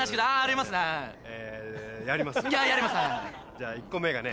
じゃあ１個目がね。